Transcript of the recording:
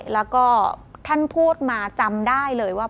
แล้วก็ท่านพูดมาจำได้เลยว่า